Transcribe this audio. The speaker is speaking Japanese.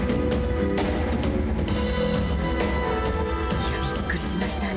いやびっくりしましたね